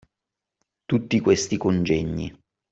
Tutti questi congegni